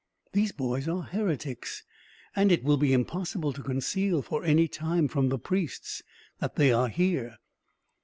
These boys are heretics, and it will be impossible to conceal, for any time, from the priests that they are here.